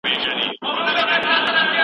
خپله یې لس ځایه یاري ده